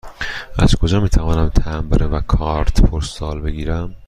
از کجا می توانم تمبر و کارت پستال بگیرم؟